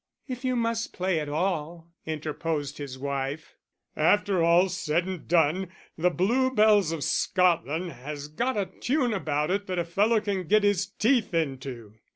"If you must play at all," interposed his wife. "After all's said and done The Blue Bells of Scotland has got a tune about it that a fellow can get his teeth into."